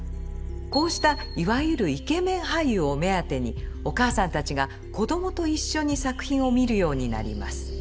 こうしたいわゆる「イケメン俳優」を目当てにお母さんたちが子どもと一緒に作品を見るようになります。